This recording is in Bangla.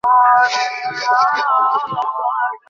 লজ্জা কোরো না মা, ঠিক করে বলো দেখি এ কথাটা কি সত্য না?